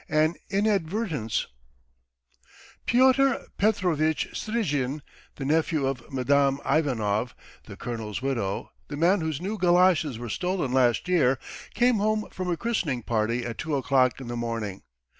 AN INADVERTENCE PYOTR PETROVITCH STRIZHIN, the nephew of Madame Ivanov, the colonel's widow the man whose new goloshes were stolen last year, came home from a christening party at two o'clock in the morning.